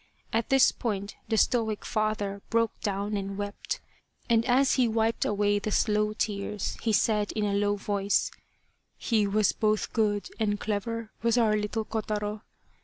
At this point the stoic father broke down and wept, and as he wiped away the slow tears, he said, in a low voice :" He was both good and clever, was our little Kotaro.